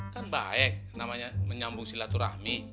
kan baik namanya menyambung silaturahmi